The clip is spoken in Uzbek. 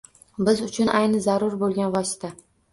Biz uchun ayni zarur boʻlgan vosita.